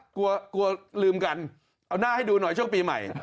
กลัวกลัวลืมกันเอาหน้าให้ดูหน่อยช่วงปีใหม่